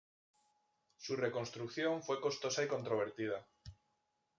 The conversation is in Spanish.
Su reconstrucción fue costosa y controvertida.